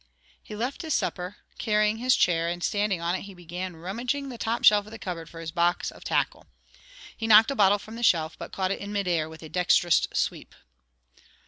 He left his supper, carrying his chair, and standing on it he began rummaging the top shelf of the cupboard for his box of tackle. He knocked a bottle from the shelf, but caught it in mid air with a dexterous sweep.